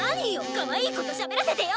かわいい子としゃべらせてよ！